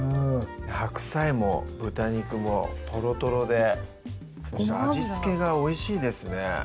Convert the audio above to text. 白菜も豚肉もとろとろで味付けがおいしいですね